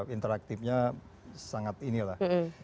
interaktifnya sangat inilah